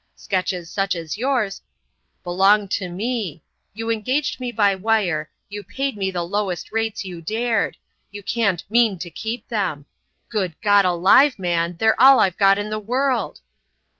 Sketches such as yours——" "Belong to me. You engaged me by wire, you paid me the lowest rates you dared. You can't mean to keep them! Good God alive, man, they're all I've got in the world!"